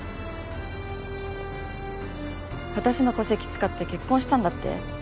私の戸籍使って結婚したんだって？